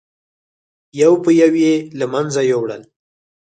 یو په یو یې له منځه یووړل.